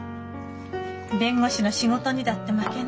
弁護士の仕事にだって負けないわ。